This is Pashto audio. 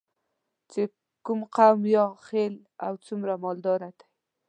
چې کوم قوم یا خیل او څومره مالداره دی.